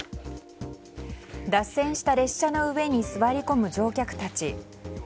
脱線した列車の上に座り込む乗客たち。